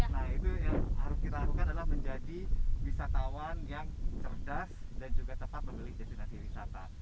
nah itu yang harus kita lakukan adalah menjadi wisatawan yang cerdas dan juga tetap memiliki destinasi wisata